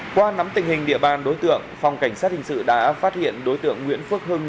qua nắm tình hình địa bàn đối tượng phòng cảnh sát hình sự đã phát hiện đối tượng nguyễn phước hưng